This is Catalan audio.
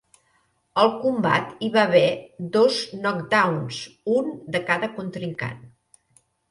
Al combat hi va haver dos "knockdowns", un de cada contrincant.